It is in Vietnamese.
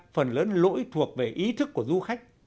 phần lớn lỗi thuộc về ý thức của du khách